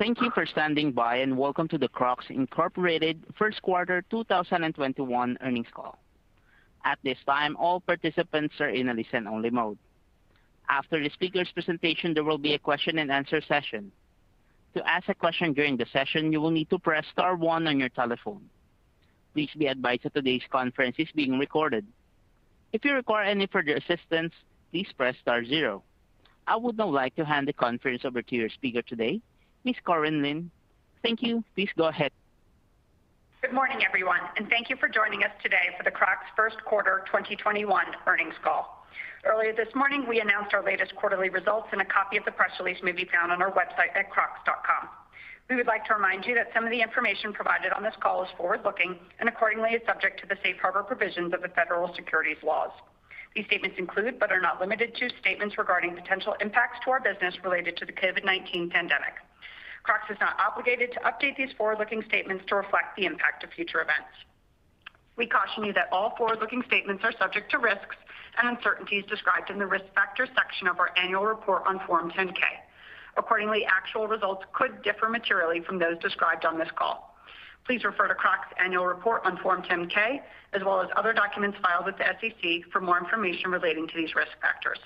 Thank you for standing by, and welcome to the Crocs, Inc. first quarter 2021 earnings call. I would now like to hand the conference over to your speaker today, Ms. Corinne Lin. Thank you. Please go ahead. Good morning, everyone, and thank you for joining us today for the Crocs first quarter 2021 earnings call. Earlier this morning, we announced our latest quarterly results, and a copy of the press release may be found on our website at crocs.com. We would like to remind you that some of the information provided on this call is forward-looking and accordingly is subject to the safe harbor provisions of the federal securities laws. These statements include, but are not limited to, statements regarding potential impacts to our business related to the COVID-19 pandemic. Crocs is not obligated to update these forward-looking statements to reflect the impact of future events. We caution you that all forward-looking statements are subject to risks and uncertainties described in the Risk Factors section of our annual report on Form 10-K. Accordingly, actual results could differ materially from those described on this call. Please refer to Crocs' annual report on Form 10-K as well as other documents filed with the SEC for more information relating to these risk factors.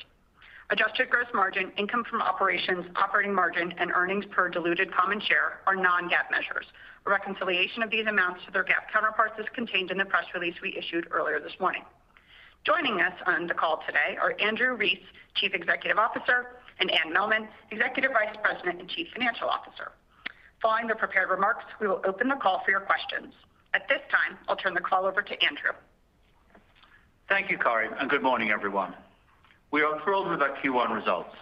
Adjusted gross margin, income from operations, operating margin, and earnings per diluted common share are non-GAAP measures. A reconciliation of these amounts to their GAAP counterparts is contained in the press release we issued earlier this morning. Joining us on the call today are Andrew Rees, Chief Executive Officer, and Anne Mehlman, Executive Vice President and Chief Financial Officer. Following their prepared remarks, we will open the call for your questions. At this time, I'll turn the call over to Andrew. Thank you, Corinne, and good morning, everyone. We are thrilled with our Q1 results.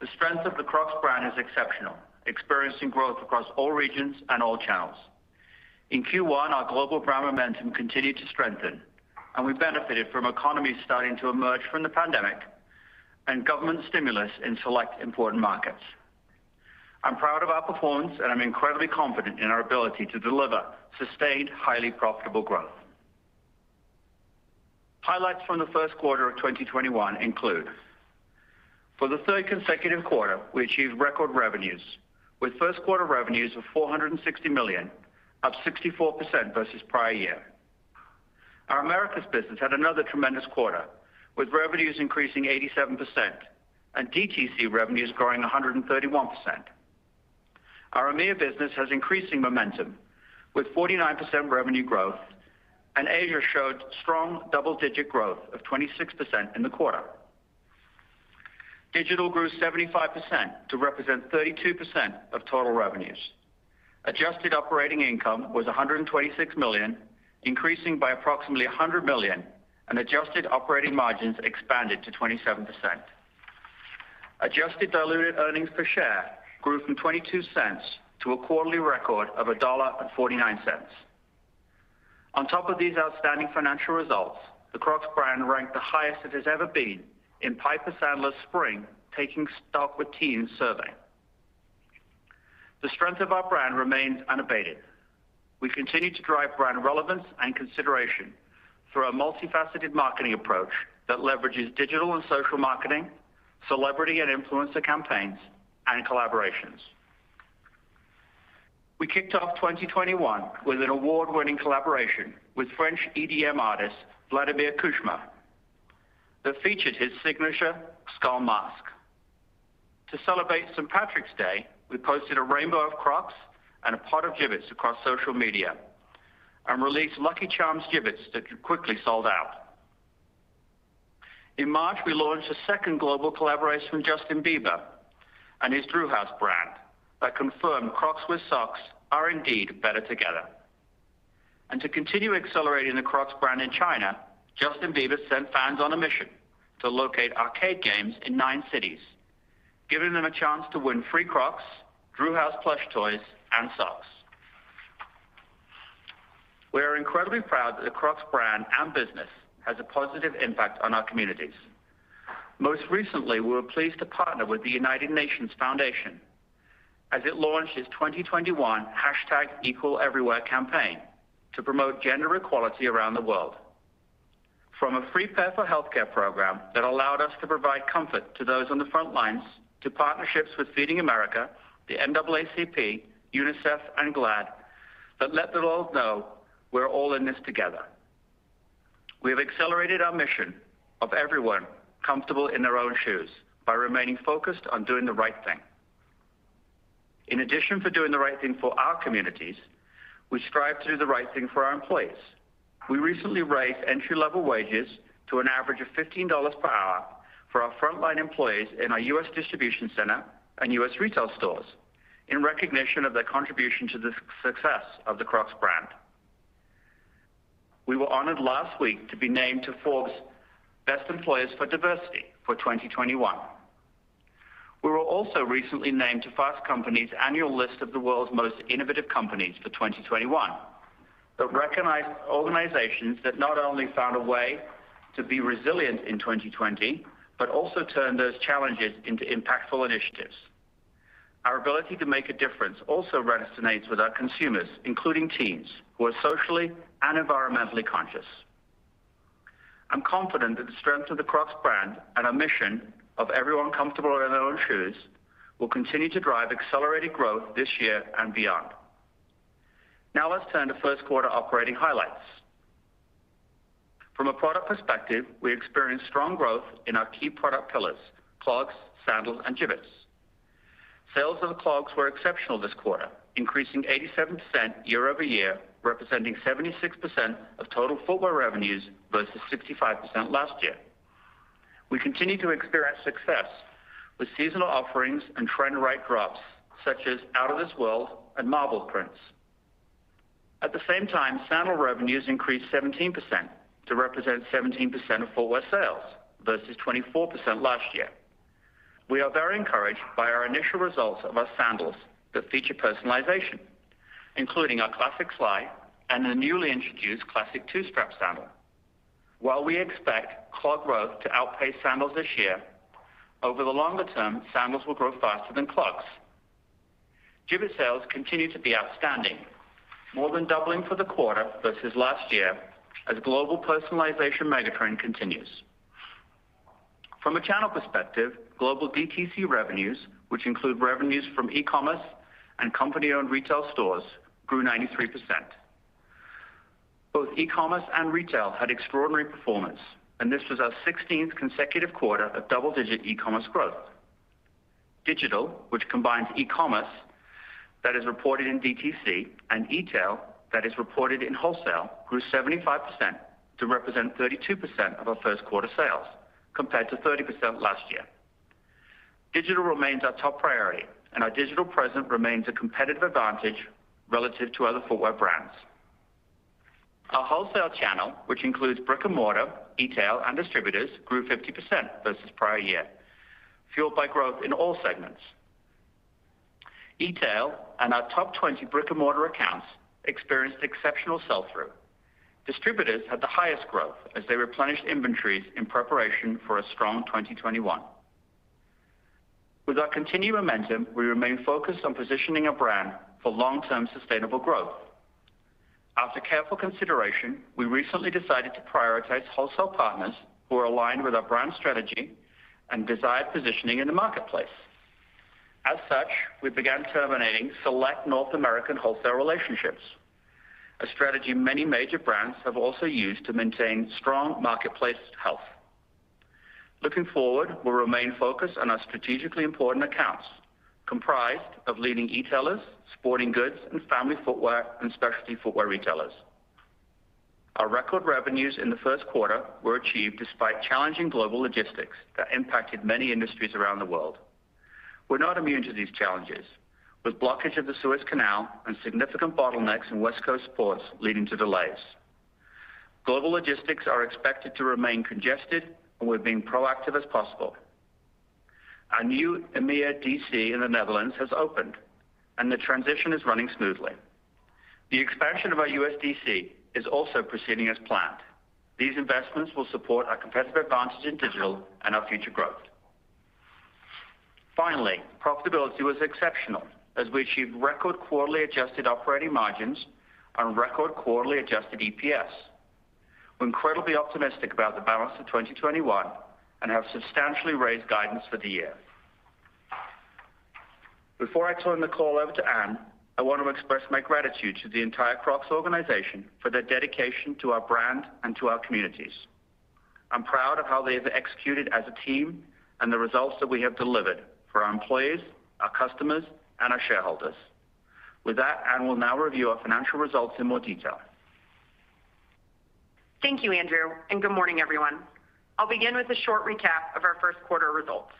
The strength of the Crocs brand is exceptional, experiencing growth across all regions and all channels. In Q1, our global brand momentum continued to strengthen, and we benefited from economies starting to emerge from the pandemic and government stimulus in select important markets. I'm proud of our performance, and I'm incredibly confident in our ability to deliver sustained, highly profitable growth. Highlights from the first quarter of 2021 include: For the third consecutive quarter, we achieved record revenues with first quarter revenues of $460 million, up 64% versus prior year. Our Americas business had another tremendous quarter, with revenues increasing 87% and DTC revenues growing 131%. Our EMEA business has increasing momentum with 49% revenue growth, and Asia showed strong double-digit growth of 26% in the quarter. Digital grew 75% to represent 32% of total revenues. Adjusted operating income was $126 million, increasing by approximately $100 million. Adjusted operating margins expanded to 27%. Adjusted diluted earnings per share grew from $0.22 to a quarterly record of $1.49. On top of these outstanding financial results, the Crocs brand ranked the highest it has ever been in Piper Sandler's spring Taking Stock with Teens survey. The strength of our brand remains unabated. We continue to drive brand relevance and consideration through our multifaceted marketing approach that leverages digital and social marketing, celebrity and influencer campaigns, and collaborations. We kicked off 2021 with an award-winning collaboration with French EDM artist Vladimir Cauchemar that featured his signature skull mask. To celebrate St. Patrick's Day, we posted a rainbow of Crocs and a pot of Jibbitz across social media and released Lucky Charms Jibbitz that quickly sold out. In March, we launched a second global collaboration with Justin Bieber and his drew house brand that confirmed Crocs with socks are indeed better together. To continue accelerating the Crocs brand in China, Justin Bieber sent fans on a mission to locate arcade games in nine cities, giving them a chance to win free Crocs, drew house plush toys, and socks. We are incredibly proud that the Crocs brand and business has a positive impact on our communities. Most recently, we were pleased to partner with the United Nations Foundation as it launched its 2021 #EqualEverywhere campaign to promote gender equality around the world. From a free pair for healthcare program that allowed us to provide comfort to those on the front lines to partnerships with Feeding America, the NAACP, UNICEF, and GLAAD that let the world know we're all in this together. We have accelerated our mission of everyone comfortable in their own shoes by remaining focused on doing the right thing. In addition to doing the right thing for our communities, we strive to do the right thing for our employees. We recently raised entry-level wages to an average of $15 per hour for our frontline employees in our U.S. distribution center and U.S. retail stores in recognition of their contribution to the success of the Crocs brand. We were honored last week to be named to Forbes Best Employers for Diversity for 2021. We were also recently named to Fast Company's annual list of the world's most innovative companies for 2021 that recognized organizations that not only found a way to be resilient in 2020, but also turned those challenges into impactful initiatives. Our ability to make a difference also resonates with our consumers, including teens who are socially and environmentally conscious. I'm confident that the strength of the Crocs brand and our mission of everyone comfortable in their own shoes will continue to drive accelerated growth this year and beyond. Now let's turn to first quarter operating highlights. From a product perspective, we experienced strong growth in our key product pillars, clogs, sandals, and Jibbitz. Sales of clogs were exceptional this quarter, increasing 87% year-over-year, representing 76% of total footwear revenues versus 65% last year. We continue to experience success with seasonal offerings and trend right drops such as Out of This World and marble prints. At the same time, sandal revenues increased 17% to represent 17% of footwear sales versus 24% last year. We are very encouraged by our initial results of our sandals that feature personalization, including our Classic Slide and the newly introduced Classic Two-Strap Sandal. While we expect clog growth to outpace sandals this year, over the longer term, sandals will grow faster than clogs. Jibbitz sales continue to be outstanding, more than doubling for the quarter versus last year as global personalization megatrend continues. From a channel perspective, global DTC revenues, which include revenues from e-commerce and company-owned retail stores, grew 93%. Both e-commerce and retail had extraordinary performance, and this was our 16th consecutive quarter of double-digit e-commerce growth. Digital, which combines e-commerce that is reported in DTC and e-tail that is reported in wholesale, grew 75% to represent 32% of our first quarter sales, compared to 30% last year. Digital remains our top priority, and our digital presence remains a competitive advantage relative to other footwear brands. Our wholesale channel, which includes brick and mortar, e-tail, and distributors, grew 50% versus prior year, fueled by growth in all segments. E-tail and our top 20 brick-and-mortar accounts experienced exceptional sell-through. Distributors had the highest growth as they replenished inventories in preparation for a strong 2021. With our continued momentum, we remain focused on positioning a brand for long-term sustainable growth. After careful consideration, we recently decided to prioritize wholesale partners who are aligned with our brand strategy and desired positioning in the marketplace. As such, we began terminating select North American wholesale relationships, a strategy many major brands have also used to maintain strong marketplace health. Looking forward, we'll remain focused on our strategically important accounts, comprised of leading e-tailers, sporting goods and family footwear, and specialty footwear retailers. Our record revenues in the first quarter were achieved despite challenging global logistics that impacted many industries around the world. We're not immune to these challenges, with blockage of the Suez Canal and significant bottlenecks in West Coast ports leading to delays. Global logistics are expected to remain congested, and we're being proactive as possible. Our new EMEA DC in the Netherlands has opened, and the transition is running smoothly. The expansion of our USDC is also proceeding as planned. These investments will support our competitive advantage in digital and our future growth. Finally, profitability was exceptional as we achieved record quarterly adjusted operating margins on record quarterly adjusted EPS. We're incredibly optimistic about the balance of 2021 and have substantially raised guidance for the year. Before I turn the call over to Anne, I want to express my gratitude to the entire Crocs organization for their dedication to our brand and to our communities. I'm proud of how they've executed as a team and the results that we have delivered for our employees, our customers, and our shareholders. With that, Anne will now review our financial results in more detail. Thank you, Andrew. Good morning, everyone. I'll begin with a short recap of our first quarter results.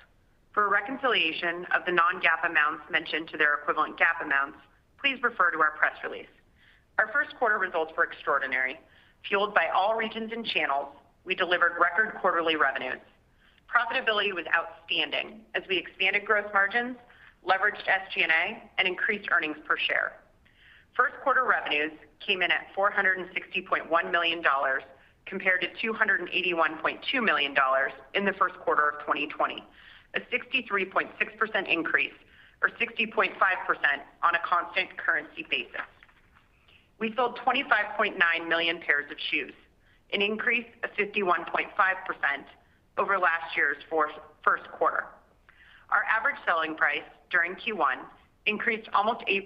For a reconciliation of the non-GAAP amounts mentioned to their equivalent GAAP amounts, please refer to our press release. Our first quarter results were extraordinary. Fueled by all regions and channels, we delivered record quarterly revenues. Profitability was outstanding as we expanded gross margins, leveraged SG&A, and increased earnings per share. First quarter revenues came in at $460.1 million compared to $281.2 million in the first quarter of 2020, a 63.6% increase or 60.5% on a constant currency basis. We sold 25.9 million pairs of shoes, an increase of 51.5% over last year's first quarter. Our average selling price during Q1 increased almost 8%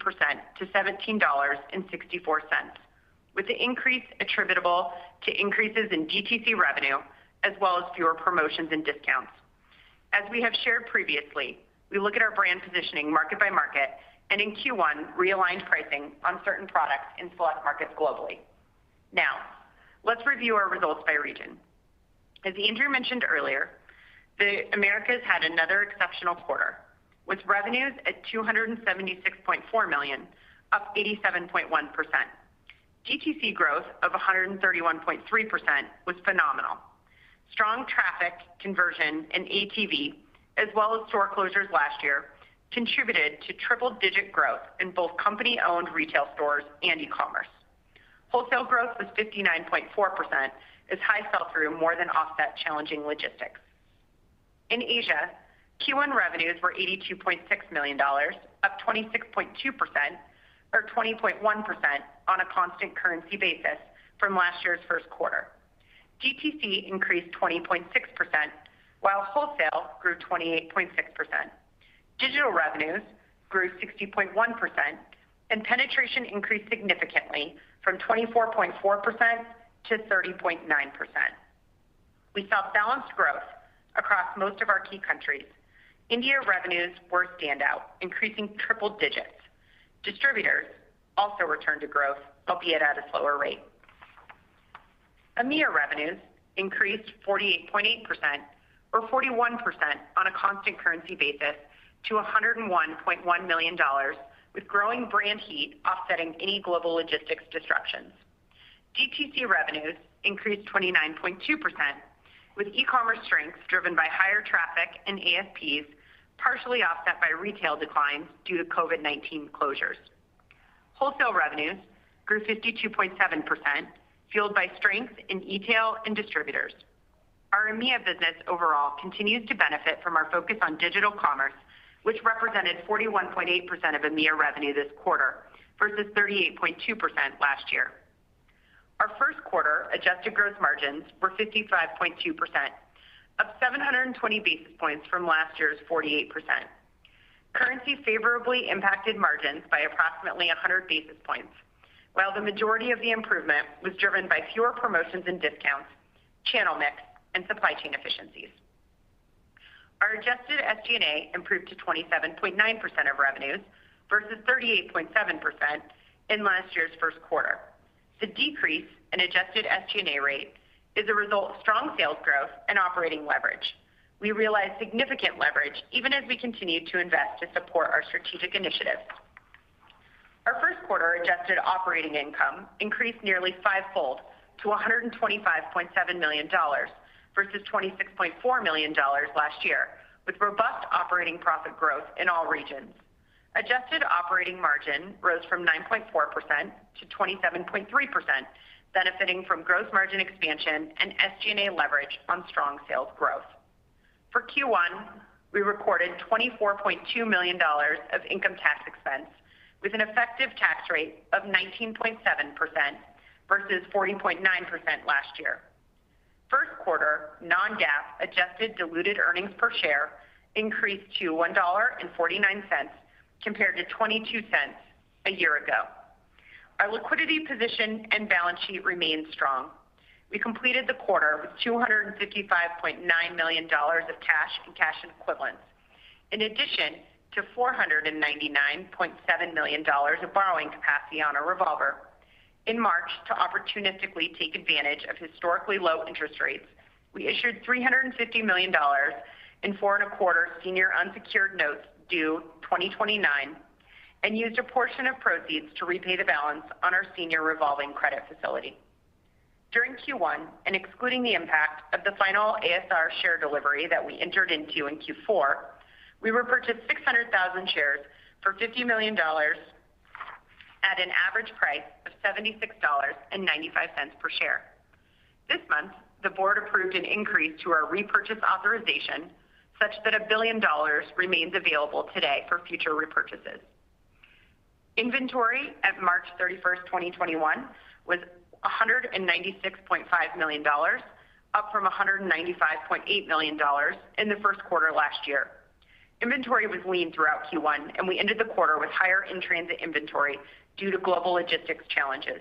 to $17.64, with the increase attributable to increases in DTC revenue as well as fewer promotions and discounts. As we have shared previously, we look at our brand positioning market by market, and in Q1, realigned pricing on certain products in select markets globally. Let's review our results by region. As Andrew mentioned earlier, the Americas had another exceptional quarter, with revenues at $276.4 million, up 87.1%. DTC growth of 131.3% was phenomenal. Strong traffic conversion and ATV, as well as store closures last year, contributed to triple-digit growth in both company-owned retail stores and e-commerce. Wholesale growth was 59.4%, as high sell-through more than offset challenging logistics. In Asia, Q1 revenues were $82.6 million, up 26.2%, or 20.1% on a constant currency basis from last year's first quarter. DTC increased 20.6%, while wholesale grew 28.6%. Digital revenues grew 60.1%, and penetration increased significantly from 24.4%-30.9%. We saw balanced growth across most of our key countries. India revenues were a standout, increasing triple digits. Distributors also returned to growth, albeit at a slower rate. EMEA revenues increased 48.8%, or 41% on a constant currency basis to $101.1 million, with growing brand heat offsetting any global logistics disruptions. DTC revenues increased 29.2%, with e-commerce strengths driven by higher traffic and ASPs, partially offset by retail declines due to COVID-19 closures. Wholesale revenues grew 52.7%, fueled by strength in e-tail and distributors. Our EMEA business overall continues to benefit from our focus on digital commerce, which represented 41.8% of EMEA revenue this quarter versus 38.2% last year. Our first quarter adjusted gross margins were 55.2%, up 720 basis points from last year's 48%. Currency favorably impacted margins by approximately 100 basis points, while the majority of the improvement was driven by fewer promotions and discounts, channel mix, and supply chain efficiencies. Our adjusted SG&A improved to 27.9% of revenues, versus 38.7% in last year's first quarter. The decrease in adjusted SG&A rate is a result of strong sales growth and operating leverage. We realized significant leverage even as we continued to invest to support our strategic initiatives. Our first quarter adjusted operating income increased nearly five-fold to $125.7 million versus $26.4 million last year, with robust operating profit growth in all regions. Adjusted operating margin rose from 9.4%-27.3%, benefiting from gross margin expansion and SG&A leverage on strong sales growth. For Q1, we recorded $24.2 million of income tax expense with an effective tax rate of 19.7% versus 14.9% last year. First quarter non-GAAP adjusted diluted earnings per share increased to $1.49 compared to $0.22 a year ago. Our liquidity position and balance sheet remain strong. We completed the quarter with $255.9 million of cash and cash equivalents, in addition to $499.7 million of borrowing capacity on our revolver. In March, to opportunistically take advantage of historically low interest rates, we issued $350 million in 4.25 senior unsecured notes due 2029 and used a portion of proceeds to repay the balance on our senior revolving credit facility. During Q1, and excluding the impact of the final ASR share delivery that we entered into in Q4, we repurchased 600,000 shares for $50 million at an average price of $76.95 per share. This month, the board approved an increase to our repurchase authorization such that $1 billion remains available today for future repurchases. Inventory at March 31, 2021 was $196.5 million, up from $195.8 million in the first quarter last year. Inventory was lean throughout Q1, and we ended the quarter with higher in-transit inventory due to global logistics challenges.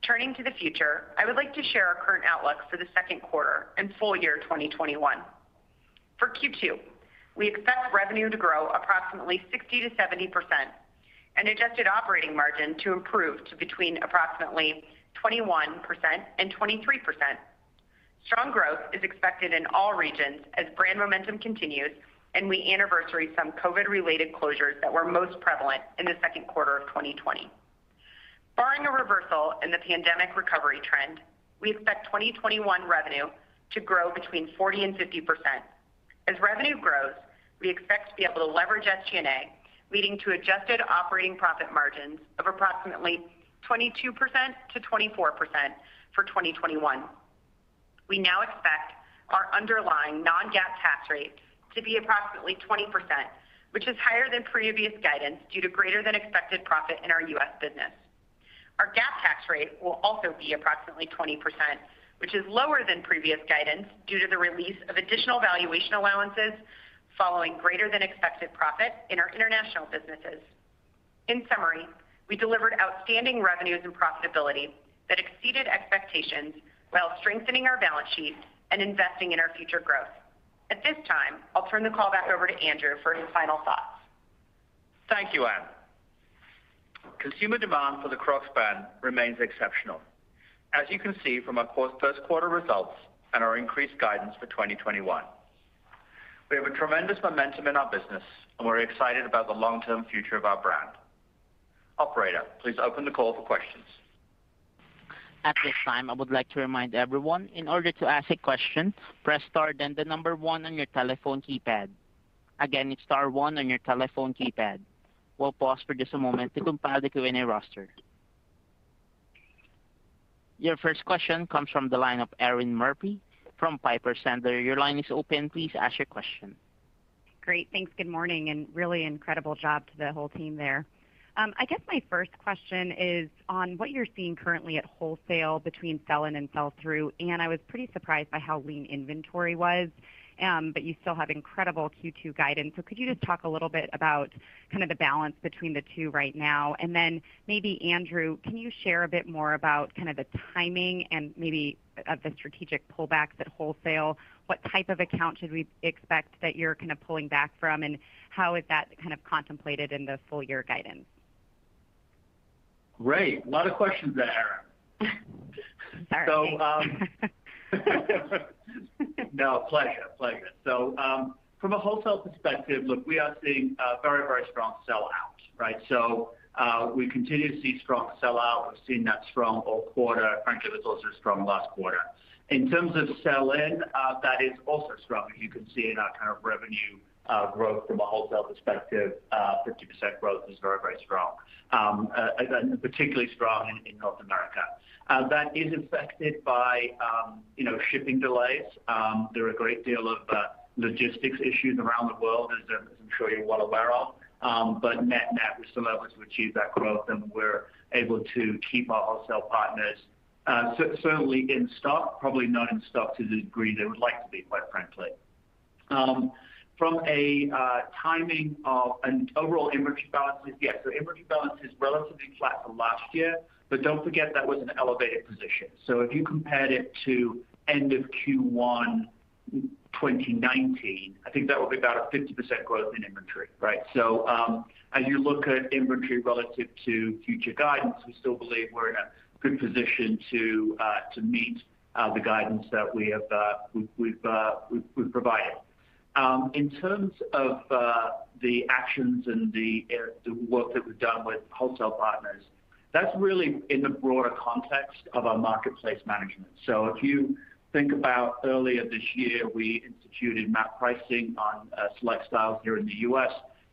Turning to the future, I would like to share our current outlook for the second quarter and full year 2021. For Q2, we expect revenue to grow approximately 60%-70% and adjusted operating margin to improve to between approximately 21% and 23%. Strong growth is expected in all regions as brand momentum continues and we anniversary some COVID-19-related closures that were most prevalent in the second quarter of 2020. Barring a reversal in the pandemic recovery trend, we expect 2021 revenue to grow between 40% and 50%. As revenue grows, we expect to be able to leverage SG&A, leading to adjusted operating profit margins of approximately 22%-24% for 2021. We now expect our underlying non-GAAP tax rate to be approximately 20%, which is higher than previous guidance due to greater than expected profit in our U.S. business. Our GAAP tax rate will also be approximately 20%, which is lower than previous guidance due to the release of additional valuation allowances following greater than expected profit in our international businesses. In summary, we delivered outstanding revenues and profitability that exceeded expectations while strengthening our balance sheet and investing in our future growth. At this time, I'll turn the call back over to Andrew for his final thoughts. Thank you, Anne. Consumer demand for the Crocs brand remains exceptional, as you can see from our first quarter results and our increased guidance for 2021. We have a tremendous momentum in our business, and we're excited about the long-term future of our brand. Operator, please open the call for questions. Your first question comes from the line of Erinn Murphy from Piper Sandler. Your line is open. Please ask your question. Great. Thanks. Good morning, and really incredible job to the whole team there. I guess my first question is on what you're seeing currently at wholesale between sell-in and sell-through. I was pretty surprised by how lean inventory was, but you still have incredible Q2 guidance. Could you just talk a little bit about the balance between the two right now? Then maybe Andrew, can you share a bit more about the timing and maybe of the strategic pullbacks at wholesale? What type of account should we expect that you're pulling back from, and how is that contemplated in the full year guidance? Great. A lot of questions there, Erinn. Sorry. No, pleasure. From a wholesale perspective, look, we are seeing a very strong sell-out. We continue to see strong sell-out. We've seen that strong all quarter. Frankly, it was also strong last quarter. In terms of sell-in, that is also strong, as you can see in our kind of revenue growth from a wholesale perspective, 50% growth is very strong. Particularly strong in North America. That is affected by shipping delays. There are a great deal of logistics issues around the world, as I'm sure you're well aware of. Net-net, we're still able to achieve that growth and we're able to keep our wholesale partners certainly in stock, probably not in stock to the degree they would like to be, quite frankly. From a timing of and overall inventory balances, yeah, inventory balance is relatively flat from last year. Don't forget that was an elevated position. If you compared it to end of Q1 2019, I think that would be about a 50% growth in inventory, right? As you look at inventory relative to future guidance, we still believe we're in a good position to meet the guidance that we've provided. In terms of the actions and the work that we've done with wholesale partners, that's really in the broader context of our marketplace management. If you think about earlier this year, we instituted MAP pricing on select styles here in the U.S.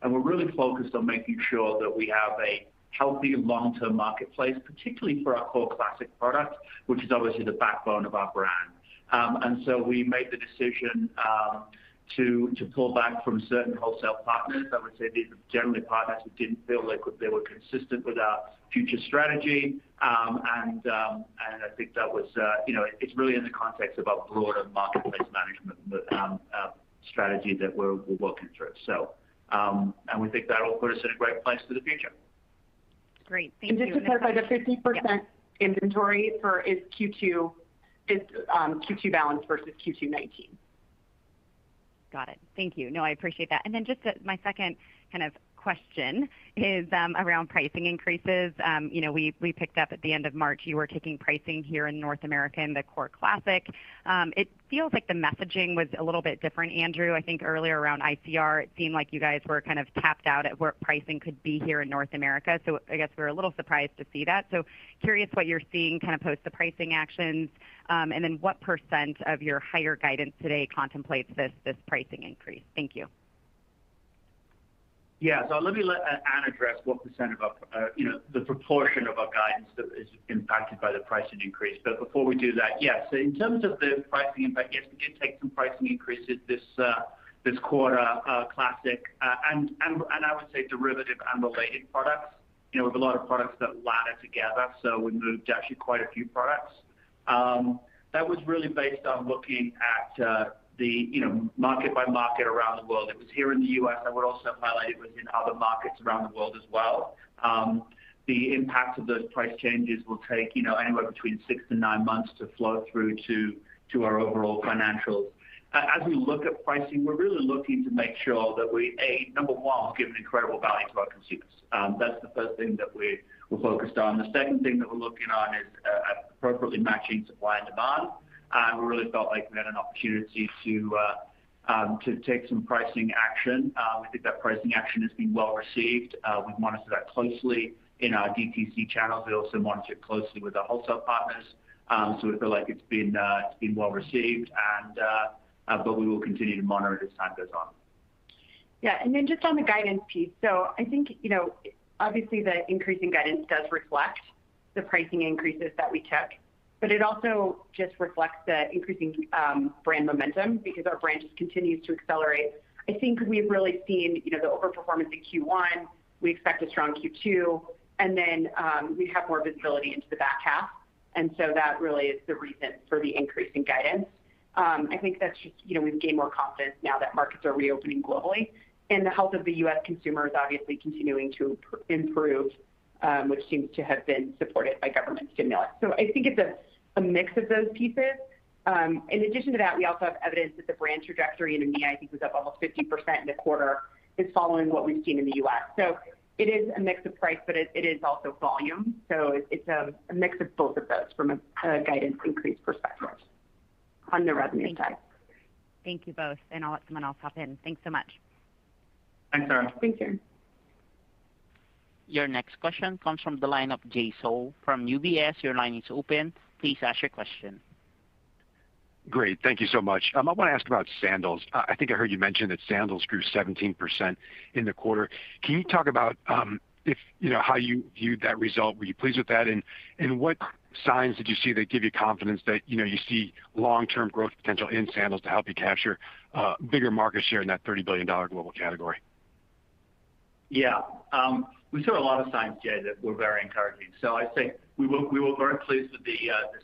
We're really focused on making sure that we have a healthy long-term marketplace, particularly for our core Classic product, which is obviously the backbone of our brand. We made the decision to pull back from certain wholesale partners. I would say these are generally partners who didn't feel like they were consistent with our future strategy. I think it's really in the context of our broader marketplace management strategy that we're working through. We think that'll put us in a great place for the future. Great. Thank you. Just to clarify, the 50% inventory is Q1 balance versus Q1 2019. Got it. Thank you. No, I appreciate that. Just my second question is around pricing increases. We picked up at the end of March, you were taking pricing here in North America in the core Classic. It feels like the messaging was a little bit different, Andrew. I think earlier around ICR, it seemed like you guys were tapped out at where pricing could be here in North America. I guess we were a little surprised to see that. Curious what you're seeing post the pricing actions, and then what percent of your higher guidance today contemplates this pricing increase? Thank you. Yeah. Let me let Anne address what percent of the proportion of our guidance that is impacted by the pricing increase. Before we do that, yes. In terms of the pricing impact, yes, we did take some pricing increases this quarter, classic, and I would say derivative and related products. We have a lot of products that ladder together, so we moved actually quite a few products. That was really based on looking at the market by market around the world. It was here in the U.S., and we also highlighted within other markets around the world as well. The impact of those price changes will take anywhere between six to nine months to flow through to our overall financials. As we look at pricing, we're really looking to make sure that we, A, number one, give incredible value to our consumers. That's the first thing that we're focused on. The second thing that we're looking on is appropriately matching supply and demand. We really felt like we had an opportunity to take some pricing action. We think that pricing action has been well-received. We've monitored that closely in our DTC channels. We also monitor it closely with our wholesale partners. We feel like it's been well-received, but we will continue to monitor as time goes on. Yeah. Just on the guidance piece, so I think obviously the increase in guidance does reflect the pricing increases that we took, but it also just reflects the increasing brand momentum because our brand just continues to accelerate. I think we've really seen the overperformance in Q1. We expect a strong Q2, and then we have more visibility into the back half. That really is the reason for the increase in guidance. I think that's just we've gained more confidence now that markets are reopening globally, and the health of the U.S. consumer is obviously continuing to improve, which seems to have been supported by government stimulus. I think it's a mix of those pieces. In addition to that, we also have evidence that the brand trajectory in EMEA, I think was up almost 50% in the quarter, is following what we've seen in the U.S. It is a mix of price, but it is also volume. It's a mix of both of those from a guidance increase perspective on the revenue side. Thank you both. I'll let someone else hop in. Thanks so much. Thanks, Erinn. Thanks, Erinn Your next question comes from the line of Jay Sole from UBS. Your line is open. Please ask your question. Great. Thank you so much. I want to ask about sandals. I think I heard you mention that sandals grew 17% in the quarter. Can you talk about how you viewed that result? Were you pleased with that? What signs did you see that give you confidence that you see long-term growth potential in sandals to help you capture a bigger market share in that $30 billion global category? Yeah. We saw a lot of signs, Jay, that were very encouraging. I'd say we were very pleased with the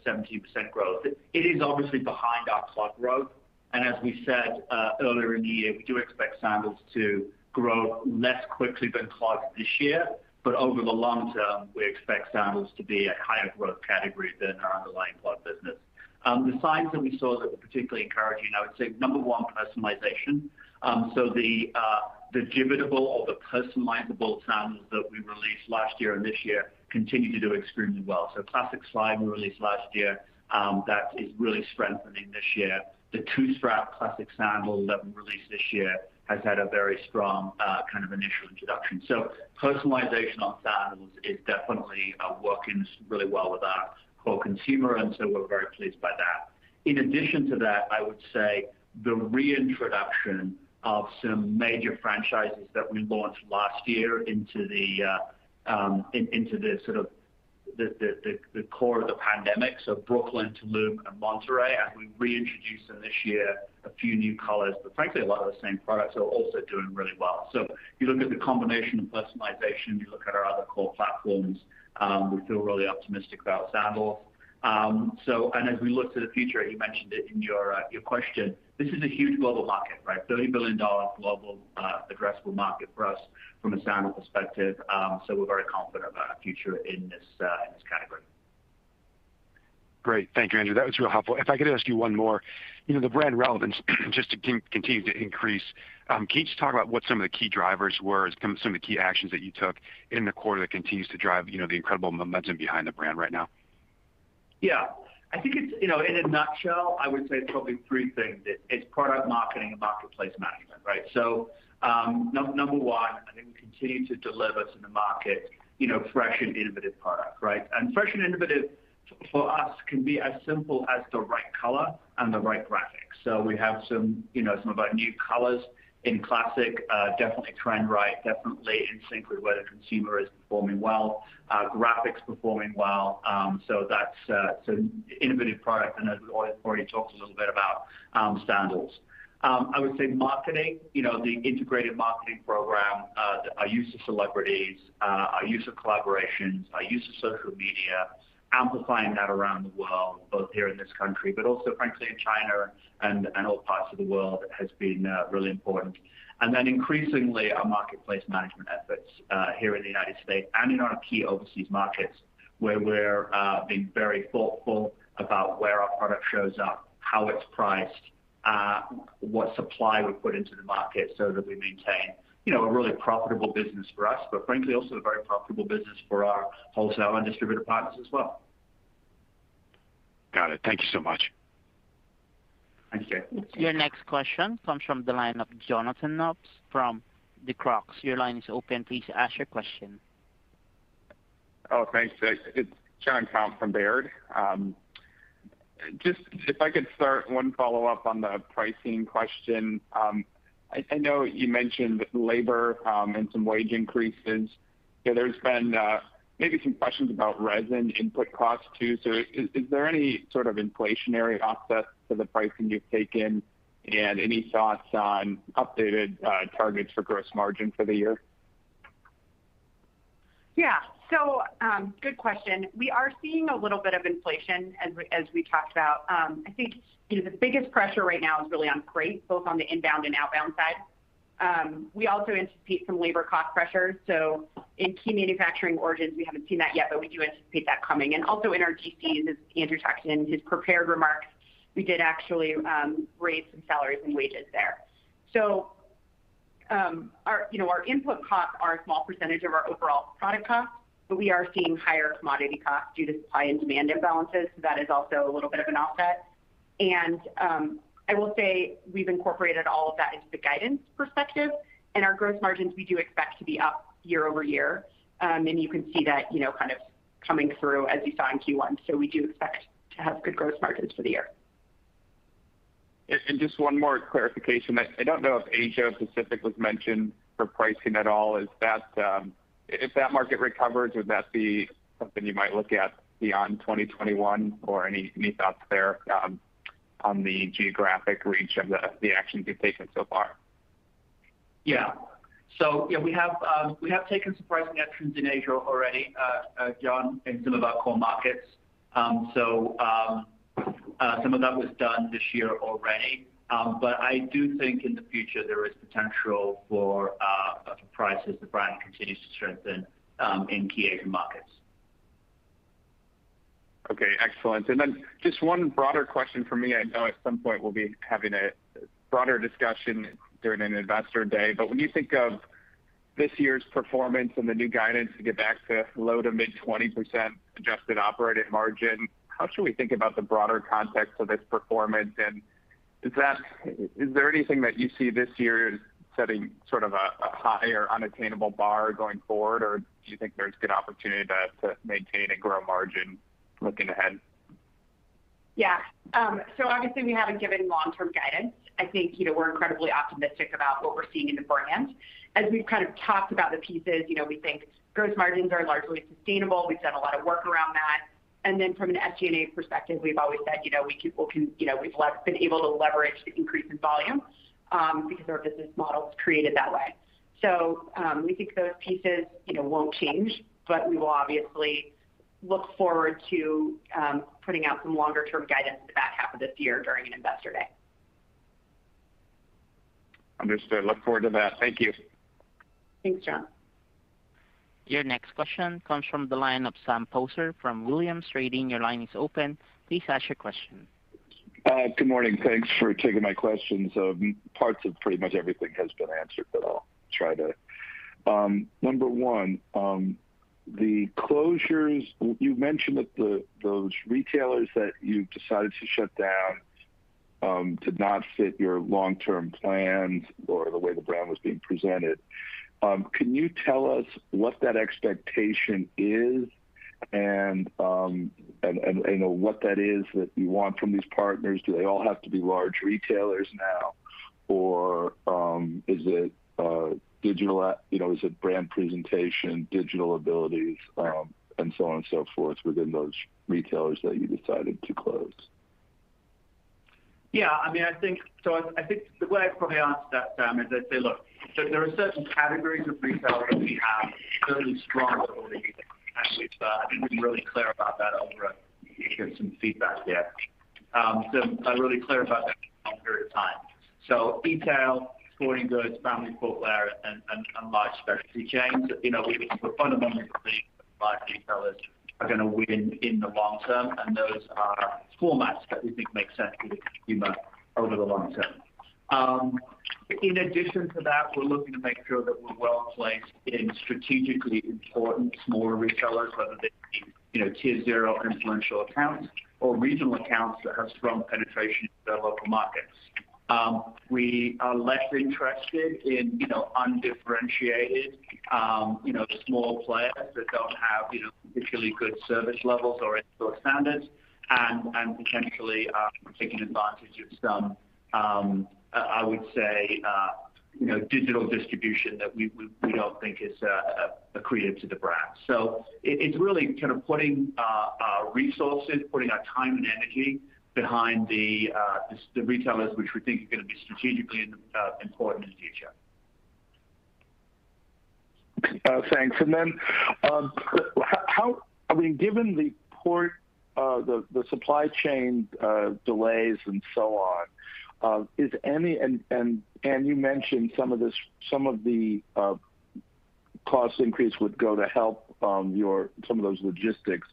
17% growth. It is obviously behind our clog growth, and as we said earlier in the year, we do expect sandals to grow less quickly than clogs this year. Over the long term, we expect sandals to be a higher growth category than our underlying clog business. The signs that we saw that were particularly encouraging, I would say, number one, personalization. The Jibbitz-able or the customizable sandals that we released last year and this year continue to do extremely well. Classic Slide we released last year, that is really strengthening this year. The two-strap Classic Sandal that we released this year has had a very strong initial introduction. Personalization on sandals is definitely working really well with our core consumer, we're very pleased by that. In addition to that, I would say the reintroduction of some major franchises that we launched last year into the sort of the core of the pandemic. Brooklyn, Tulum, and Monterey, as we reintroduce them this year, a few new colors, but frankly, a lot of the same products are also doing really well. If you look at the combination of personalization, if you look at our other core platforms, we feel really optimistic about sandals. As we look to the future, you mentioned it in your question, this is a huge global market, right? $30 billion global addressable market for us from a sandal perspective. We're very confident about our future in this category. Great. Thank you, Andrew. That was real helpful. If I could ask you one more. The brand relevance just continue to increase. Can you just talk about what some of the key drivers were, some of the key actions that you took in the quarter that continues to drive the incredible momentum behind the brand right now? Yeah. I think in a nutshell, I would say it's probably three things. It's product marketing and marketplace management, right. Number one, I think we continue to deliver to the market fresh and innovative product, right. Fresh and innovative for us can be as simple as the right color and the right graphics. We have some of our new colors in Classic, definitely trend-right, definitely in sync with where the consumer is performing well. Graphics performing well. That's an innovative product, and as we already talked a little bit about, sandals. I would say marketing, the integrated marketing program, our use of celebrities, our use of collaborations, our use of social media, amplifying that around the world, both here in this country, but also frankly, in China and all parts of the world, has been really important. Increasingly, our marketplace management efforts here in the U.S. and in our key overseas markets, where we're being very thoughtful about where our product shows up, how it's priced, what supply we put into the market so that we maintain a really profitable business for us. Frankly, also a very profitable business for our wholesale and distributor partners as well. Got it. Thank you so much. Thank you, Jay. Your next question comes from the line of Jonathan Komp from Baird. Your line is open. Please ask your question. Oh, thanks. It's Jonathan Komp from Baird. If I could start one follow-up on the pricing question. I know you mentioned labor and some wage increases. There's been maybe some questions about resin input costs, too. Is there any sort of inflationary offset to the pricing you've taken? Any thoughts on updated targets for gross margin for the year? Yeah. Good question. We are seeing a little bit of inflation as we talked about. I think the biggest pressure right now is really on freight, both on the inbound and outbound side. We also anticipate some labor cost pressures. In key manufacturing origins, we haven't seen that yet, but we do anticipate that coming. Also in our DCs, as Andrew talked in his prepared remarks, we did actually raise some salaries and wages there. Our input costs are a small percentage of our overall product costs, but we are seeing higher commodity costs due to supply and demand imbalances. That is also a little bit of an offset. I will say we've incorporated all of that into the guidance perspective and our gross margins we do expect to be up year-over-year. You can see that kind of coming through as you saw in Q1. We do expect to have good gross margins for the year. Just one more clarification. I don't know if Asia Pacific was mentioned for pricing at all. If that market recovers, would that be something you might look at beyond 2021? Any thoughts there on the geographic reach of the actions you've taken so far? Yeah, we have taken some pricing actions in Asia already, Jonathan, in some of our core markets. Some of that was done this year already. I do think in the future, there is potential for prices as the brand continues to strengthen in key Asian markets. Okay, excellent. Just one broader question from me. I know at some point we'll be having a broader discussion during an investor day. When you think of this year's performance and the new guidance to get back to low to mid 20% adjusted operating margin, how should we think about the broader context of its performance and Is there anything that you see this year as setting sort of a high or unattainable bar going forward, or do you think there's good opportunity to maintain and grow margin looking ahead? Yeah. Obviously we haven't given long-term guidance. I think we're incredibly optimistic about what we're seeing in the brand. As we've kind of talked about the pieces, we think gross margins are largely sustainable. We've done a lot of work around that. From an SG&A perspective, we've always said We've been able to leverage the increase in volume, because our business model's created that way. We think those pieces won't change, but we will obviously look forward to putting out some longer term guidance in the back half of this year during an investor day. Understood. Look forward to that. Thank you. Thanks, Jonathan. Your next question comes from the line of Sam Poser from Williams Trading. Your line is open. Please ask your question. Good morning. Thanks for taking my questions. Parts of pretty much everything has been answered, but I'll try to. Number one, the closures, you mentioned that those retailers that you decided to shut down did not fit your long-term plans or the way the brand was being presented. Can you tell us what that expectation is and what that is that you want from these partners? Do they all have to be large retailers now, or is it digital? Is it brand presentation, digital abilities, and so on and so forth within those retailers that you decided to close? I think the way I'd probably answer that, Sam, is I'd say, look, so there are certain categories of retailers that we have fairly strong with. I think we've been really clear about that over some feedback there. I'm really clear about that long period of time. Retail, sporting goods, family footwear, and large specialty chains. We fundamentally believe that large retailers are going to win in the long term, and those are formats that we think make sense for the consumer over the long term. In addition to that, we're looking to make sure that we're well placed in strategically important smaller retailers, whether they be Tier Zero influential accounts or regional accounts that have strong penetration into their local markets. We are less interested in undifferentiated small players that don't have particularly good service levels or in-store standards, and potentially are taking advantage of some, I would say, digital distribution that we don't think is accretive to the brand. It's really kind of putting resources, putting our time and energy behind the retailers which we think are going to be strategically important in the future. Thanks. Given the port, the supply chain delays and so on, and you mentioned some of the cost increase would go to help some of those logistics.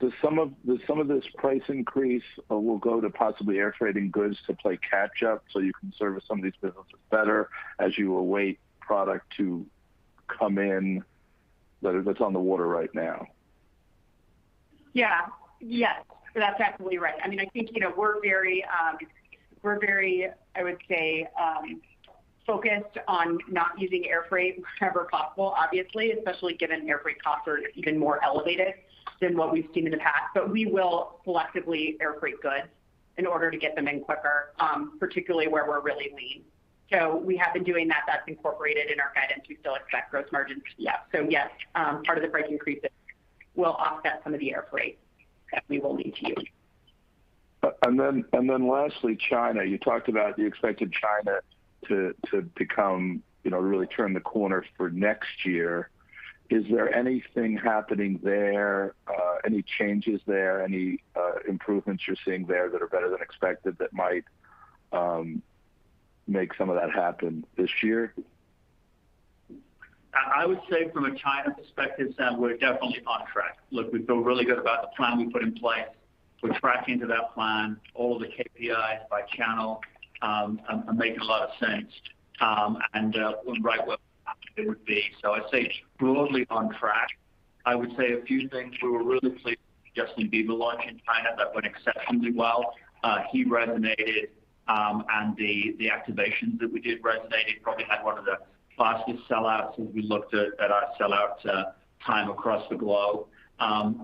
Does some of this price increase will go to possibly air freighting goods to play catch up so you can service some of these businesses better as you await product to come in that's on the water right now? Yeah. Yes. That's absolutely right. I think we're very, I would say, focused on not using air freight wherever possible, obviously, especially given air freight costs are even more elevated than what we've seen in the past. We will selectively air freight goods in order to get them in quicker, particularly where we're really lean. We have been doing that. That's incorporated in our guidance. We still expect gross margins. Yeah. Yes, part of the price increases will offset some of the air freight that we will need to use. Lastly, China. You talked about you expected China to really turn the corner for next year. Is there anything happening there, any changes there, any improvements you're seeing there that are better than expected that might make some of that happen this year? I would say from a China perspective, Sam, we're definitely on track. Look, we feel really good about the plan we put in place. We're tracking to that plan, all of the KPIs by channel are making a lot of sense. We're right where would be. I'd say broadly on track. I would say a few things. We were really pleased with the Justin Bieber launch in China. That went exceptionally well. He resonated, and the activations that we did resonated. Probably had one of the fastest sellouts as we looked at our sellout time across the globe.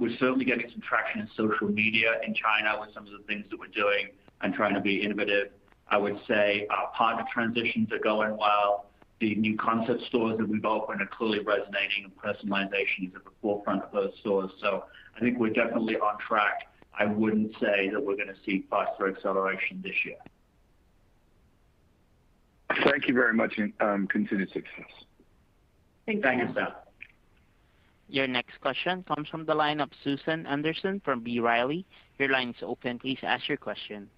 We're certainly getting some traction in social media in China with some of the things that we're doing and trying to be innovative. I would say our partner transitions are going well. The new concept stores that we've opened are clearly resonating, and personalization is at the forefront of those stores. I think we're definitely on track. I wouldn't say that we're going to see faster acceleration this year. Thank you very much, and continued success. Thanks, Sam. Thank you, Sam. Your next question comes from the line of Susan Anderson from B. Riley. Your line is open. Please ask your question.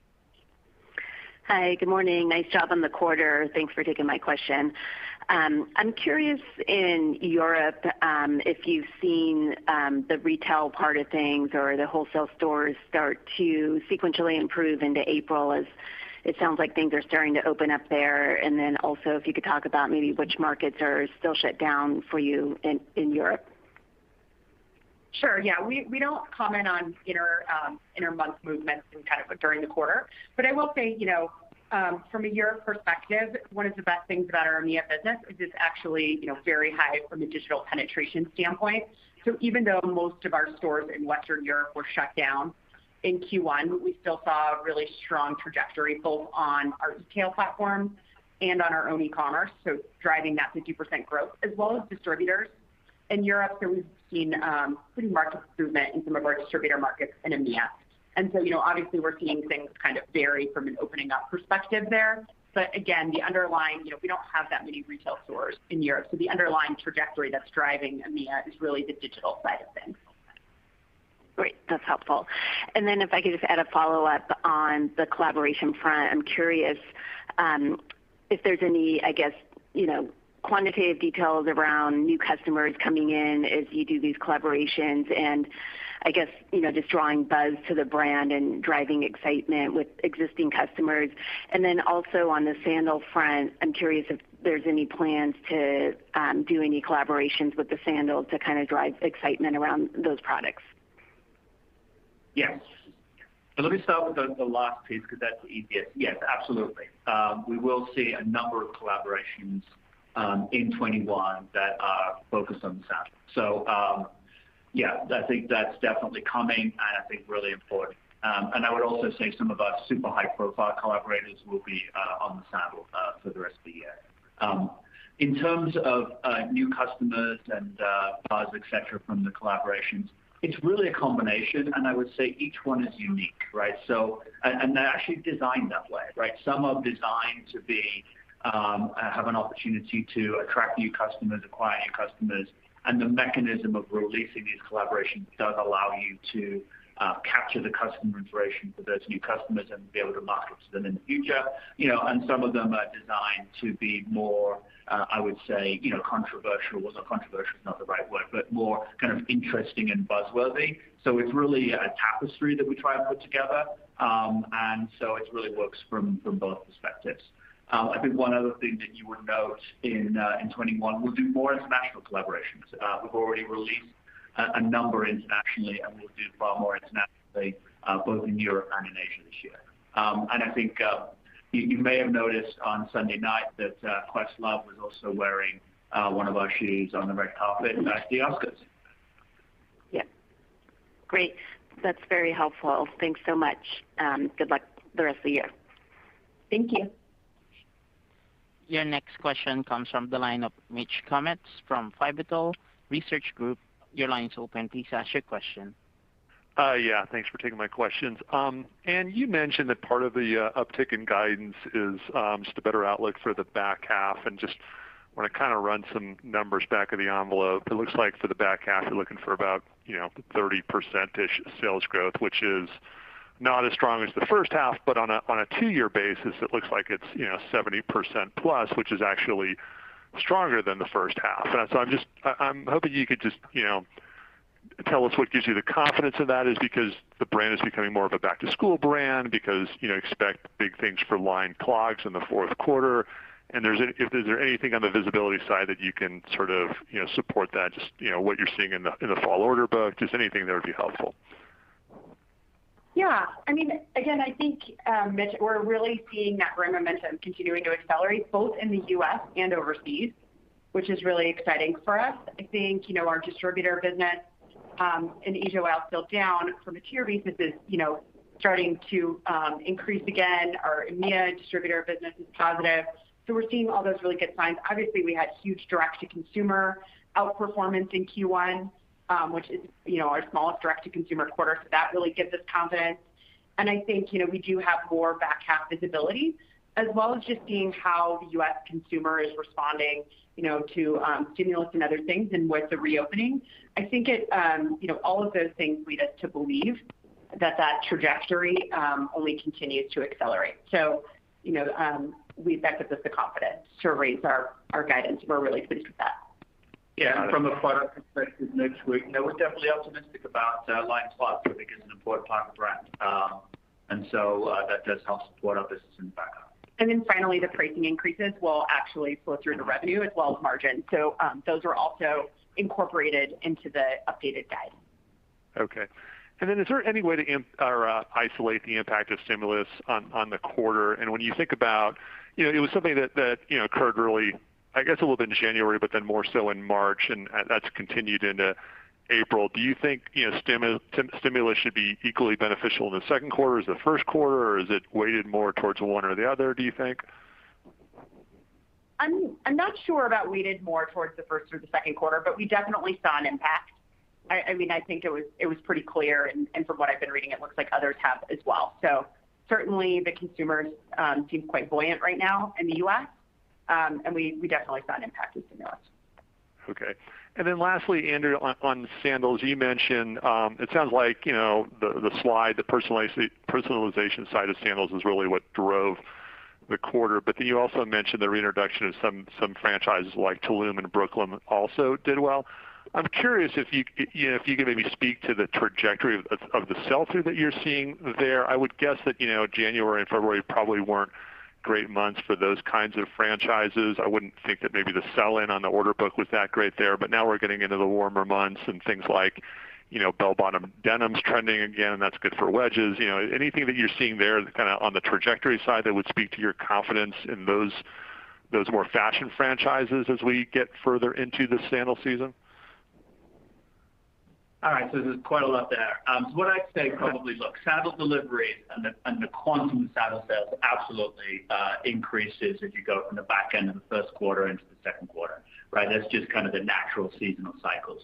Hi. Good morning. Nice job on the quarter. Thanks for taking my question. I'm curious in Europe, if you've seen the retail part of things or the wholesale stores start to sequentially improve into April as it sounds like things are starting to open up there, and then also if you could talk about maybe which markets are still shut down for you in Europe. Sure. Yeah. We don't comment on inter-month movements and kind of during the quarter. I will say from a year perspective, one of the best things about our EMEA business is it's actually very high from a digital penetration standpoint. Even though most of our stores in Western Europe were shut down in Q1, we still saw a really strong trajectory both on our retail platform and on our own e-commerce, so driving that 50% growth as well as distributors in Europe. We've seen pretty marked improvement in some of our distributor markets in EMEA. Obviously we're seeing things kind of vary from an opening up perspective there. Again, we don't have that many retail stores in Europe, the underlying trajectory that's driving EMEA is really the digital side of things. Great. That's helpful. If I could just add a follow-up on the collaboration front, I'm curious if there's any, I guess, quantitative details around new customers coming in as you do these collaborations, and I guess just drawing buzz to the brand and driving excitement with existing customers. Also on the sandal front, I'm curious if there's any plans to do any collaborations with the sandals to kind of drive excitement around those products. Yes. Let me start with the last piece because that's the easiest. Yes, absolutely. We will see a number of collaborations in 2021 that are focused on sandals. Yeah, I think that's definitely coming and I think really important. I would also say some of our super high-profile collaborators will be on the sandal for the rest of the year. In terms of new customers and buzz, et cetera, from the collaborations, it's really a combination, and I would say each one is unique, right? They're actually designed that way, right? Some are designed to have an opportunity to attract new customers, acquire new customers, and the mechanism of releasing these collaborations does allow you to capture the customer information for those new customers and be able to market to them in the future. Some of them are designed to be more, I would say, controversial. Well, no, controversial is not the right word, but more kind of interesting and buzz-worthy. It's really a tapestry that we try and put together, and so it really works from both perspectives. I think one other thing that you would note in 2021, we'll do more international collaborations. We've already released a number internationally, and we'll do far more internationally both in Europe and in Asia this year. I think you may have noticed on Sunday night that Questlove was also wearing one of our shoes on the red carpet at the Oscars. Yeah. Great. That's very helpful. Thanks so much. Good luck the rest of the year. Thank you. Your next question comes from the line of Mitch Kummetz from Pivotal Research Group. Your line is open. Please ask your question. Yeah. Thanks for taking my questions. Anne, you mentioned that part of the uptick in guidance is just a better outlook for the back half. Just want to kind of run some numbers back of the envelope. It looks like for the back half, you're looking for about 30%-ish sales growth, which is not as strong as the first half. On a two-year basis, it looks like it's 70%-plus, which is actually stronger than the first half. I'm hoping you could just tell us what gives you the confidence of that. Is it because the brand is becoming more of a back-to-school brand? Because expect big things for lined clogs in the fourth quarter. If there's anything on the visibility side that you can sort of support that, just what you're seeing in the fall order book, just anything there would be helpful. Yeah. Again, I think, Mitch, we're really seeing that brand momentum continuing to accelerate both in the U.S. and overseas, which is really exciting for us. I think our distributor business in Asia while still down from a two-year basis is starting to increase again. Our EMEA distributor business is positive. We're seeing all those really good signs. Obviously, we had huge direct-to-consumer outperformance in Q1 which is our smallest direct-to-consumer quarter. That really gives us confidence, and I think we do have more back-half visibility as well as just seeing how the U.S. consumer is responding to stimulus and other things and with the reopening. I think all of those things lead us to believe that trajectory only continues to accelerate. That gives us the confidence to raise our guidance, and we're really pleased with that. Yeah. From a product perspective next week, we're definitely optimistic about lined clogs, I think is an important part of the brand. That does help support our business in the back half. Finally, the pricing increases will actually flow through to revenue as well as margin. Those are also incorporated into the updated guide. Okay. Is there any way to isolate the impact of stimulus on the quarter? When you think about, it was something that occurred early, I guess a little bit in January, but then more so in March, and that's continued into April. Do you think stimulus should be equally beneficial in the second quarter as the first quarter, or is it weighted more towards one or the other, do you think? I'm not sure about weighted more towards the first or the second quarter, we definitely saw an impact. I think it was pretty clear, from what I've been reading, it looks like others have as well. Certainly the consumers seem quite buoyant right now in the U.S., we definitely saw an impact with stimulus. Lastly, Andrew, on sandals, you mentioned it sounds like the Slide, the personalization side of sandals is really what drove the quarter. You also mentioned the reintroduction of some franchises like Tulum and Brooklyn also did well. I'm curious if you could maybe speak to the trajectory of the sell-through that you're seeing there. I would guess that January and February probably weren't great months for those kinds of franchises. I wouldn't think that maybe the sell-in on the order book was that great there. Now we're getting into the warmer months and things like bell-bottom denim's trending again, and that's good for wedges. Anything that you're seeing there kind of on the trajectory side that would speak to your confidence in those more fashion franchises as we get further into the sandal season? All right, there's quite a lot there. What I'd say probably, look, sandal deliveries and the quantum of sandal sales absolutely increases as you go from the back end of the first quarter into the second quarter, right? That's just kind of the natural seasonal cycle.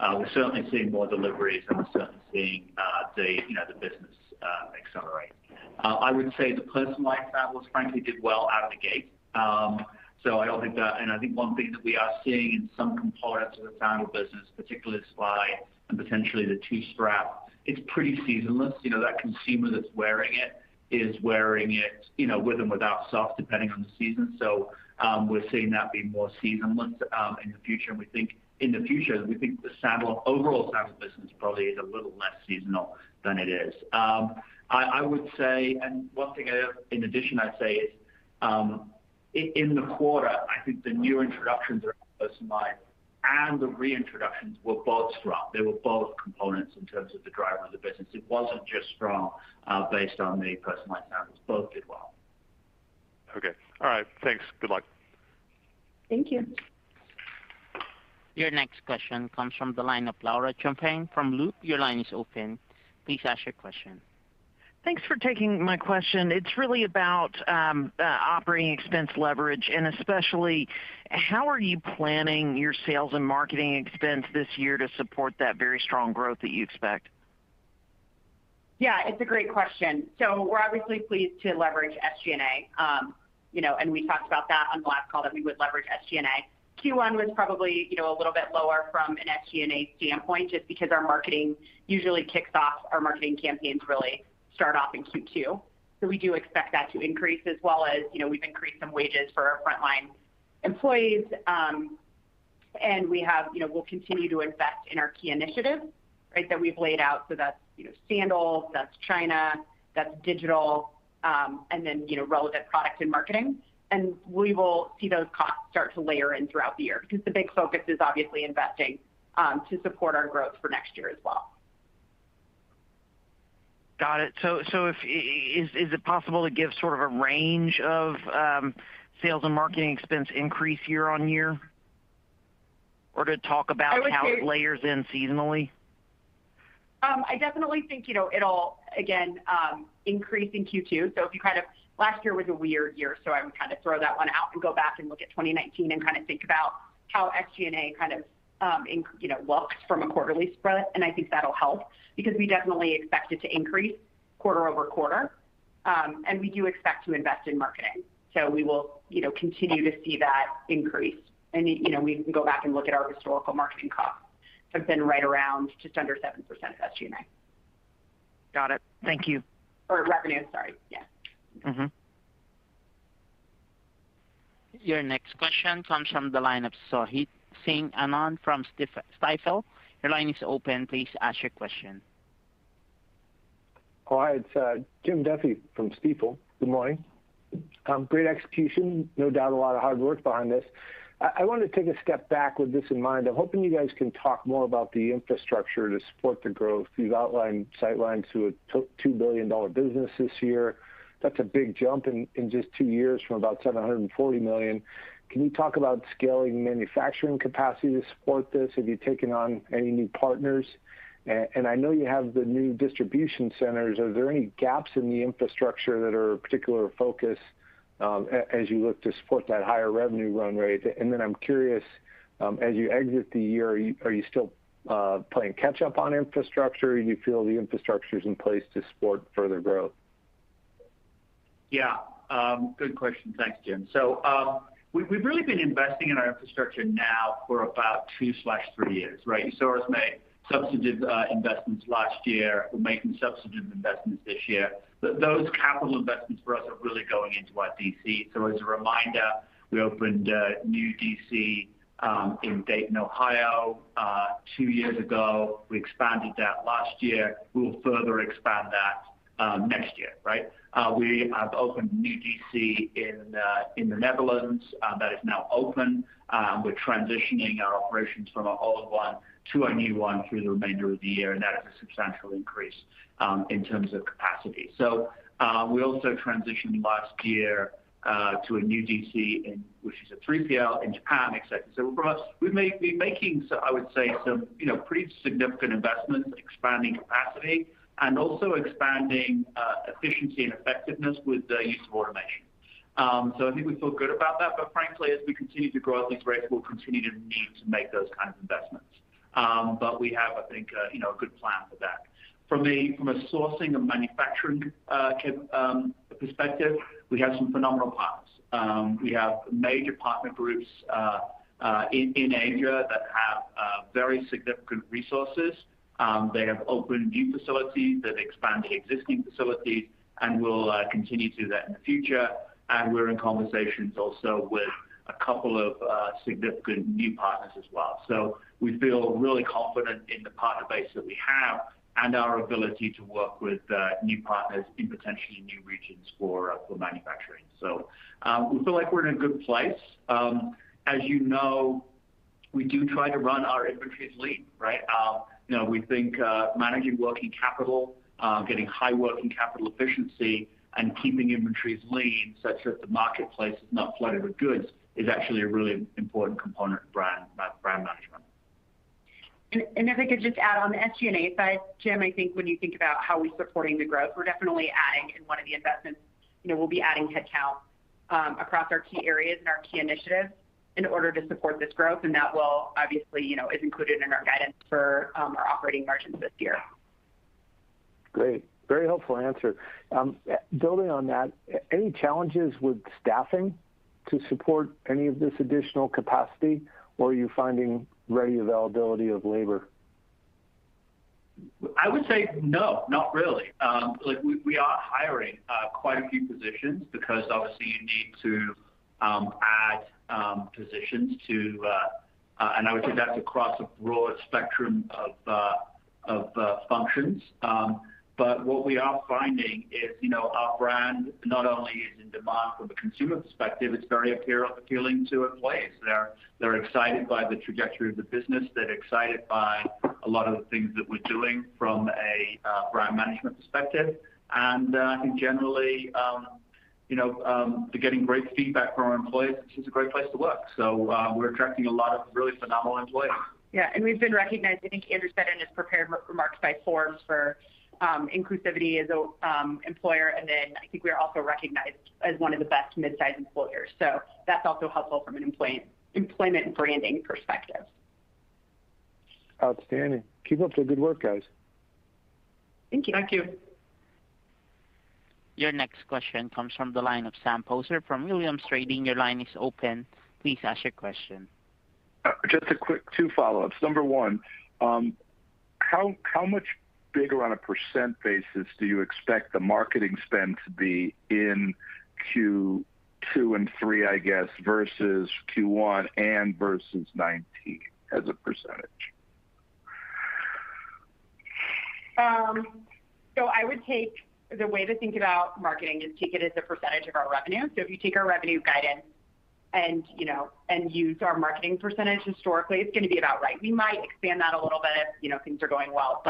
We're certainly seeing more deliveries, and we're certainly seeing the business accelerate. I would say the personalized sandals, frankly, did well out of the gate. I think one thing that we are seeing in some components of the sandal business, particularly Slide and potentially the Two-Strap, it's pretty seasonless. That consumer that's wearing it is wearing it with or without socks, depending on the season. We're seeing that be more seasonless in the future, and we think in the future, the overall sandal business probably is a little less seasonal than it is. One thing in addition I'd say is, in the quarter, I think the new introductions that are personalized and the reintroductions were both strong. They were both components in terms of the driver of the business. It wasn't just strong based on the personalized sandals. Both did well. Okay. All right, thanks. Good luck. Thank you. Your next question comes from the line of Laura Champine from Loop. Your line is open. Please ask your question. Thanks for taking my question. It's really about operating expense leverage and especially how are you planning your sales and marketing expense this year to support that very strong growth that you expect? Yeah, it's a great question. We're obviously pleased to leverage SG&A. We talked about that on the last call, that we would leverage SG&A. Q1 was probably a little bit lower from an SG&A standpoint, just because our marketing usually kicks off, our marketing campaigns really start off in Q2. We do expect that to increase as well as we've increased some wages for our frontline employees. We'll continue to invest in our key initiatives, right, that we've laid out. That's sandals, that's China, that's digital, and then relevant product and marketing. We will see those costs start to layer in throughout the year because the big focus is obviously investing to support our growth for next year as well. Got it. Is it possible to give sort of a range of sales and marketing expense increase year-on-year? I would say- how it layers in seasonally? I definitely think it'll, again, increase in Q2. Last year was a weird year, so I would kind of throw that one out and go back and look at 2019, and kind of think about how SG&A kind of looks from a quarterly spread. I think that'll help because we definitely expect it to increase quarter-over-quarter. We do expect to invest in marketing, so we will continue to see that increase. We can go back and look at our historical marketing costs, have been right around just under 7% of SG&A. Got it. Thank you. revenue, sorry. Yeah. Your next question comes from the line of Sohit Singh Anand from Stifel. Your line is open. Please ask your question. Oh, hi. It's Jim Duffy from Stifel. Good morning. Great execution. No doubt a lot of hard work behind this. I wanted to take a step back with this in mind. I'm hoping you guys can talk more about the infrastructure to support the growth. You've outlined sightlines to a $2 billion business this year. That's a big jump in just two years from about $740 million. Can you talk about scaling manufacturing capacity to support this? Have you taken on any new partners? I know you have the new distribution centers. Are there any gaps in the infrastructure that are a particular focus as you look to support that higher revenue run rate? I'm curious, as you exit the year, are you still playing catch up on infrastructure? Or do you feel the infrastructure's in place to support further growth? Yeah. Good question. Thanks, Jim. We've really been investing in our infrastructure now for about two/three years, right? You saw us make substantive investments last year. We're making substantive investments this year. Those capital investments for us are really going into our DC. As a reminder, we opened a new DC in Dayton, Ohio, two years ago. We expanded that last year. We will further expand that next year, right? We have opened a new DC in the Netherlands that is now open. We're transitioning our operations from our old one to our new one through the remainder of the year, and that is a substantial increase in terms of capacity. We also transitioned last year to a new DC, which is a 3PL in Japan, et cetera. For us, we're making, I would say, some pretty significant investments expanding capacity, and also expanding efficiency and effectiveness with the use of automation. I think we feel good about that. Frankly, as we continue to grow at these rates, we'll continue to need to make those kinds of investments. We have, I think, a good plan for that. From a sourcing and manufacturing perspective, we have some phenomenal partners. We have major partner groups in Asia that have very significant resources. They have opened new facilities. They've expanded existing facilities, and will continue to do that in the future. We're in conversations also with a couple of significant new partners as well. We feel really confident in the partner base that we have and our ability to work with new partners in potentially new regions for manufacturing. We feel like we're in a good place. As you know, we do try to run our inventories lean, right? We think managing working capital, getting high working capital efficiency, and keeping inventories lean such that the marketplace is not flooded with goods is actually a really important component of brand management. If I could just add on the SG&A side, Jim, I think when you think about how we're supporting the growth, we're definitely adding in one of the investments. We'll be adding headcount across our key areas and our key initiatives in order to support this growth, and that obviously is included in our guidance for our operating margins this year. Great. Very helpful answer. Building on that, any challenges with staffing to support any of this additional capacity, or are you finding ready availability of labor? I would say no, not really. We are hiring quite a few positions because obviously you need to add positions. I would say that's across a broad spectrum of functions. What we are finding is our brand not only is in demand from a consumer perspective, it's very appealing to employees. They're excited by the trajectory of the business. They're excited by a lot of the things that we're doing from a brand management perspective. I think generally, we're getting great feedback from our employees that this is a great place to work. We're attracting a lot of really phenomenal employees. Yeah, we've been recognized, I think Andrew said in his prepared remarks, by Forbes for inclusivity as an employer. I think we are also recognized as one of the best midsize employers. That's also helpful from an employment branding perspective. Outstanding. Keep up the good work, guys. Thank you. Thank you. Your next question comes from the line of Sam Poser from Williams Trading. Your line is open. Please ask your question. Just a quick two follow-ups. Number one, how much bigger on a percent basis do you expect the marketing spend to be in Q2 and three, I guess, versus Q1 and versus 2019 as a percentage? I would take the way to think about marketing is take it as a percent of our revenue. If you take our revenue guidance and use our marketing percent historically, it's going to be about right. We might expand that a little bit if things are going well.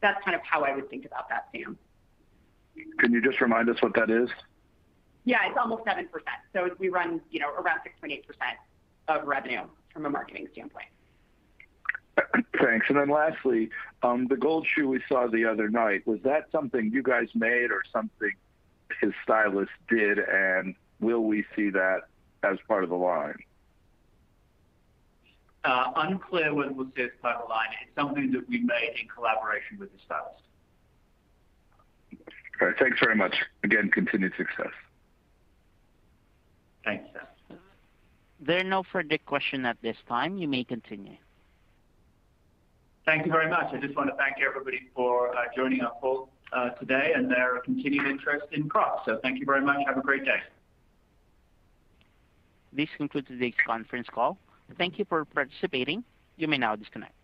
That's how I would think about that, Sam. Can you just remind us what that is? Yeah, it's almost 7%. We run around 6%-8% of revenue from a marketing standpoint. Thanks. Lastly, the gold shoe we saw the other night, was that something you guys made or something his stylist did, and will we see that as part of the line? Unclear whether we'll see it as part of the line. It's something that we made in collaboration with his stylist. Okay. Thanks very much. Again, continued success. Thanks, Sam. There are no further questions at this time. You may continue. Thank you very much. I just want to thank everybody for joining our call today and their continued interest in Crocs. Thank you very much. Have a great day. This concludes today's conference call. Thank you for participating. You may now disconnect.